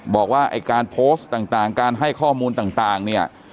บอกว่าไอ้การโพสต์ต่างการให้ข้อมูลต่างเนี่ย